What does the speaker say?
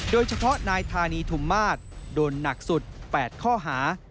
โดยเฉพาะนายธานีธุมมาศโดนหนักสุด๘ข้อหา